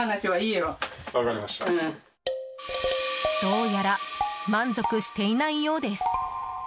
どうやら満足していないようです。